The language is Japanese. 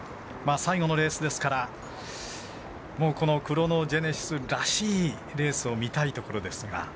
最後のレースですからクロノジェネシスらしいレースを見たいところですが。